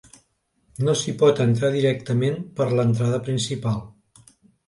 No s'hi pot entrar directament per l'entrada principal.